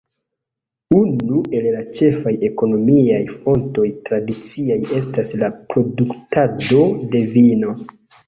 Unu el la ĉefaj ekonomiaj fontoj tradiciaj estas la produktado de vino.